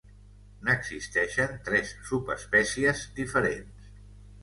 N'existeixen tres subespècies diferents.